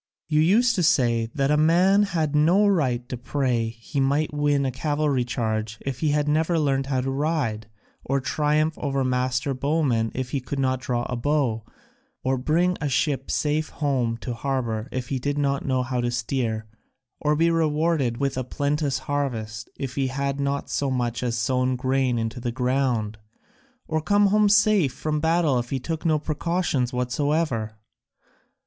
You used to say that a man had no right to pray he might win a cavalry charge if he had never learnt how to ride, or triumph over master bowmen if he could not draw a bow, or bring a ship safe home to harbour if he did not know how to steer, or be rewarded with a plenteous harvest if he had not so much as sown grain into the ground, or come home safe from battle if he took no precautions whatsoever.